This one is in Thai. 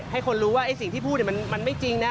ให้คนรู้ว่าไอ้สิ่งที่พูดมันไม่จริงนะ